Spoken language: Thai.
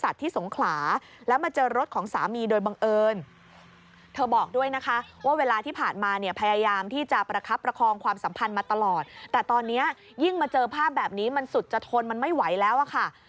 แต่ตอนนี้ยิ่งมาเจอภาพแบบนี้มันสุดจะทนมันไม่ไหวแล้วอะค่ะ